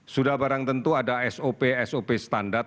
sudah barang tentu ada sop sop standar